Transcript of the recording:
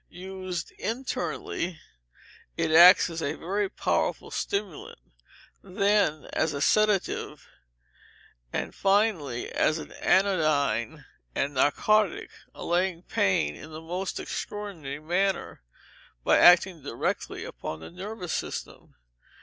Used internally, it acts as a very powerful stimulant: then as a sedative, and finally as an anodyne and narcotic, allaying pain in the most extraordinary manner, by acting directly upon the nervous system.